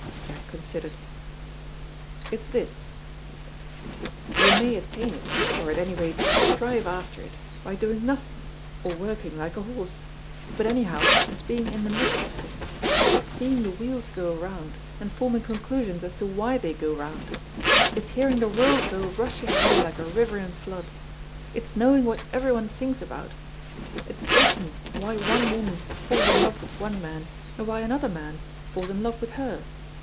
Jack considered. "It's this," he said. "You may attain it, or at any rate strive after it, by doing nothing, or working like a horse. But, anyhow, it's being in the midst of things, it's seeing the wheels go round, and forming conclusions as to why they go round, it's hearing the world go rushing by like a river in flood, it's knowing what everyone thinks about, it's guessing why one woman falls in love with one man, and why another man falls in love with her.